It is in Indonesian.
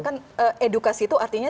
kan edukasi itu artinya